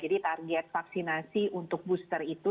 jadi target vaksinasi untuk booster itu